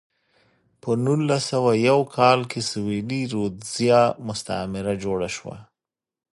په نولس سوه یو کال کې سویلي رودزیا مستعمره جوړه شوه.